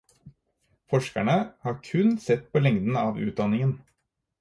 Forskerne har kun sett på lengden av utdanningen.